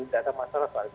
di daerah masyarakat